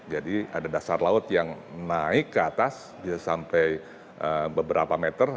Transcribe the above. jadi ada dasar laut yang naik ke atas sampai beberapa meter